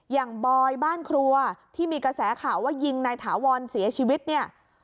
บอยบ้านครัวที่มีกระแสข่าวว่ายิงนายถาวรเสียชีวิตเนี่ย